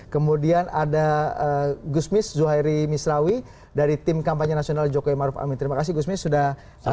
kemudian ada gusmis zuhairi misrawi dari tim kampanye nasional jokowi maruf amin terima kasih gusmis sudah